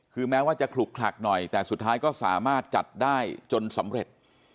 คือแม้ว่าจะขลุกขลักหน่อยแต่สุดท้ายก็สามารถจัดได้จนสำเร็จ